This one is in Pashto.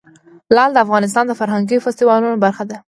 لعل د افغانستان د فرهنګي فستیوالونو برخه ده.